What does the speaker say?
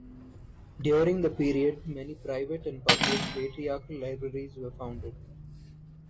During the period, many private and public patriarchal libraries were founded.